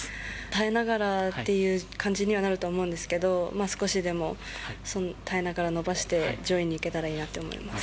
耐えながらっていう感じにはなると思うんですけど、少しでも耐えながら、伸ばして上位に行けたらいいなと思います。